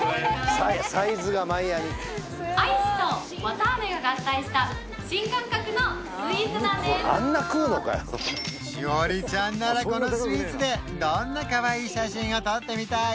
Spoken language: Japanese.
サイズがマイアミしほりちゃんならこのスイーツでどんなかわいい写真を撮ってみたい？